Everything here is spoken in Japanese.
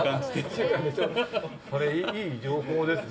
いい情報ですね。